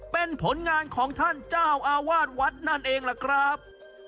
เป็นผลงานของท่านเจ้าอาวาสวัดนั่นเองล่ะครับ